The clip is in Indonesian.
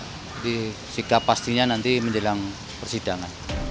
jadi sikap pastinya nanti menjelang persidangan